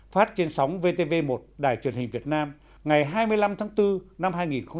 phát trên sóng vtv một đài truyền hình việt nam ngày hai mươi năm tháng bốn năm hai nghìn hai mươi